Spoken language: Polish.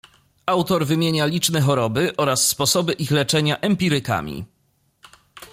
Autor wymienia liczne choroby oraz sposoby ich leczenia empirykami.